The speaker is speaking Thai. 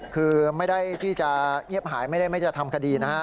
คือไม่ได้ที่จะเงียบหายไม่ได้ไม่จะทำคดีนะฮะ